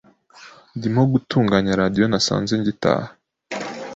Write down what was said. Ndimo gutunganya radio nasanze ngitaha .